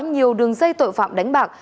nhiều đường dây tội phạm đánh bạc